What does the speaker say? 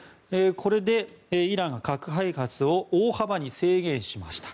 これでイランが核開発を大幅に制限しました。